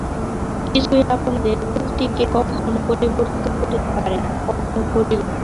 কিছুই আপনাদের প্রকৃতিকে কখনও পরিবর্তিত করিতে পারে না, কখনও করিবেও না।